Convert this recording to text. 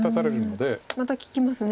また利きますね。